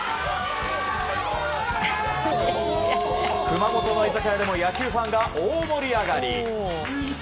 熊本の居酒屋でも野球ファンが大盛り上がり。